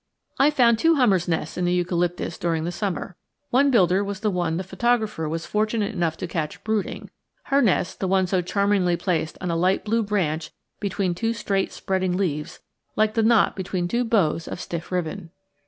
I found two hummers' nests in the eucalyptus during the summer. One builder was the one the photographer was fortunate enough to catch brooding; her nest, the one so charmingly placed on a light blue branch between two straight spreading leaves, like the knot between two bows of stiff ribbon.